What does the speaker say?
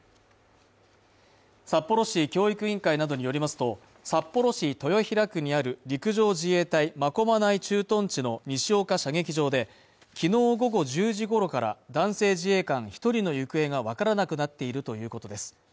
札幌市教育委員会などによりますと、札幌市豊平区にある陸上自衛隊真駒内駐屯地の西岡射撃場できのう午後１０時ごろから男性自衛官１人の行方がわからなくなっているということです。